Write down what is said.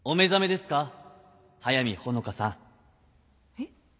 えっ？